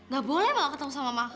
gak boleh malah ketemu sama emak kamu